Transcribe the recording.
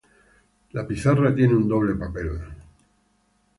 La pizarra tiene un doble papel.